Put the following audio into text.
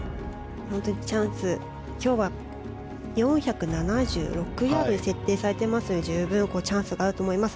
チャンス、今日は４７６ヤードに設定されていますので十分にチャンスがあると思います。